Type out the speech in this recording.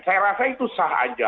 saya rasa itu sah aja